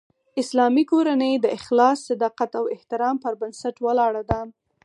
اسلامي کورنۍ د اخلاص، صداقت او احترام پر بنسټ ولاړه ده